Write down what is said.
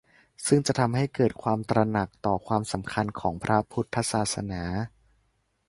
ซึ่งจะทำให้เกิดความตระหนักต่อความสำคัญของพระพุทธศาสนา